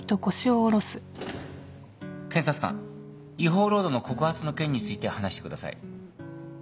検察官違法労働の告発の件について話してください。